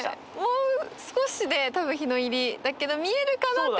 もう少しで多分日の入りだけど見えるかなって感じですね。